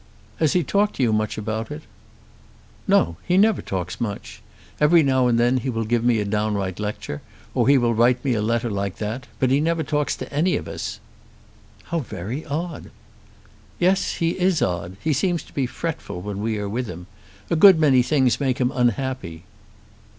"Has he talked to you much about it?" "No; he never talks much. Every now and then he will give me a downright lecture, or he will write me a letter like that; but he never talks to any of us." "How very odd." "Yes; he is odd. He seems to be fretful when we are with him. A good many things make him unhappy."